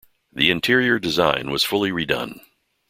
The interior design was fully re-done.